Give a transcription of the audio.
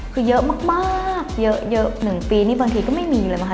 คือเยอะมากเยอะ๑ปีนี่บางทีก็ไม่มีเลยมั้